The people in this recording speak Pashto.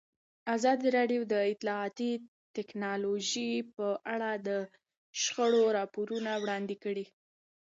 ازادي راډیو د اطلاعاتی تکنالوژي په اړه د شخړو راپورونه وړاندې کړي.